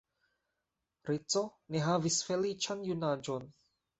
Rico ne havis feliĉan junaĝon.